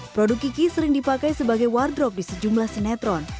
produk kiki sering dipakai sebagai wardrop di sejumlah sinetron